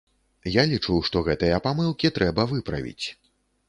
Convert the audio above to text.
Я лічу, што гэтыя памылкі трэба выправіць.